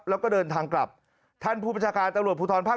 แล้วก็เดินทางกลับท่านผู้บัญชาการตำรวจภูทรภาค